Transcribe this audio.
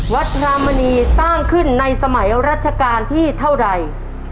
พระมณีสร้างขึ้นในสมัยรัชกาลที่เท่าใด